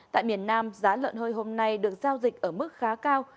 tại miền nam giá lợn hơi hôm nay được giao dịch ở mức khá cao